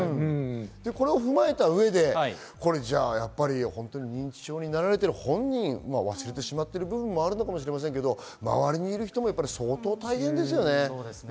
これを踏まえた上で認知症になられている本人、忘れてしまってる部分はあるかもしれないけれども周りの人も相当大変ですよね。